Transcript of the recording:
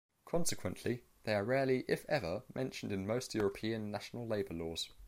Consequently, they are rarely if ever mentioned in most European national labor laws.